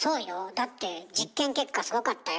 だって実験結果すごかったよ。